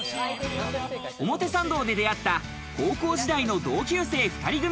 表参道で出会った、高校時代の同級生２人組。